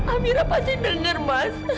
amirah pasti denger mas